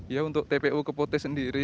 ya untuk tpu kepote sendiri